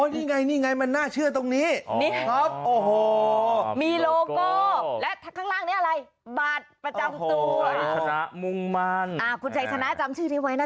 นี่ไงมันน่าเชื่อตรงนี้มีโลโก้และข้างล่างนี้อะไรบาทประจำตัว